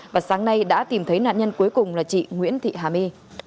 và sáng nay đã tìm thấy nạn nhân cuối cùng là chị nguyễn thị hà my